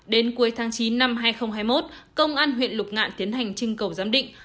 đến cuối tháng chín năm hai nghìn hai mươi một công an huyện lục ngạn tiến hành trưng cầu giám định